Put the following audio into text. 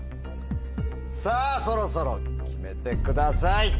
さぁそろそろ決めてください。